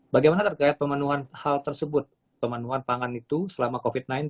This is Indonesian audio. bagaimana terkait pemenuhan hal tersebut pemenuhan pangan itu selama covid sembilan belas